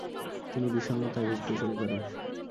তিনি বিষন্নতায় ভুগতে শুরু করেন।